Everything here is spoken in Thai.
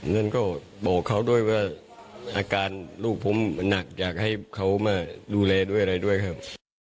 นั่นก็บอกเขาด้วยว่าอาการลูกผมหนักอยากให้เขามาดูแลด้วยอะไรด้วยครับ